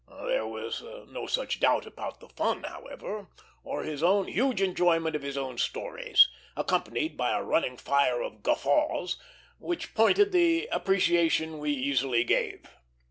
There was no such doubt about the fun, however, or his own huge enjoyment of his own stories, accompanied by a running fire of guffaws, which pointed the appreciation we easily gave.